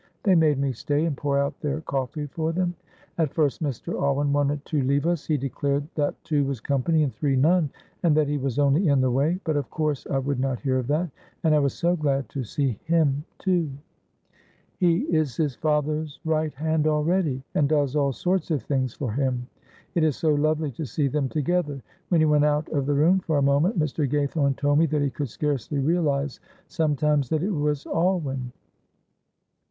They made me stay and pour out their coffee for them. At first Mr. Alwyn wanted to leave us; he declared that two was company and three none, and that he was only in the way; but of course I would not hear of that, and I was so glad to see him too." [Illustration: "They both looked so comfortable and contented."] "He is his father's right hand already, and does all sorts of things for him. It is so lovely to see them together. When he went out of the room for a moment, Mr. Gaythorne told me that he could scarcely realise sometimes that it was Alwyn."